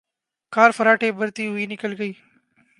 کار فراٹے بھرتی ہوئے نکل گئی